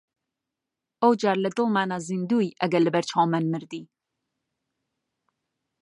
ئەو جار لە دڵمانا زیندووی ئەگەر لەبەر چاومان مردی!